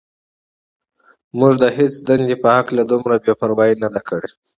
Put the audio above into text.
موږ د هېڅ دندې په هکله دومره بې پروايي نه ده کړې.